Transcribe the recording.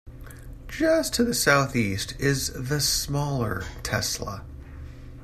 Just to the southeast is the smaller Tesla.